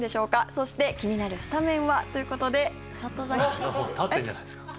そして、気になるスタメンは？ということで立ってるじゃないですか。